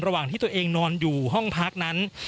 ระหว่างที่ตัวเองนอนอยู่ห้องพักนั้น